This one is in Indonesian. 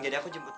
jadi aku jemput